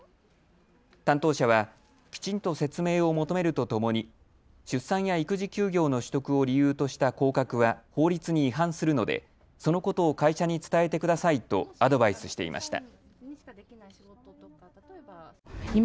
担当者はきちんと説明を求めるとともに出産や育児休業の取得を理由とした降格は法律に違反するのでそのことを会社に伝えてくださいとアドバイスしていました。